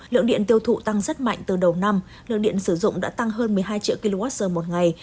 lượng điện tiêu thụ tăng rất mạnh từ đầu năm lượng điện sử dụng đã tăng hơn một mươi hai triệu kwh một ngày